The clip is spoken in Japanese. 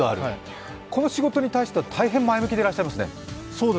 この仕事に対しては、大変前向きでいらっしゃいますね。